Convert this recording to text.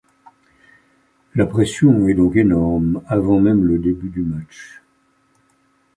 La pression est donc énorme avant même le début du match.